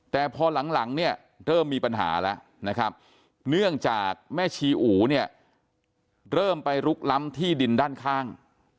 แต่พอหลังเริ่มมีปัญหาแล้วเนื่องจากแม่ชีอูเริ่มไปลุกล้ำที่ดินด้านข้าง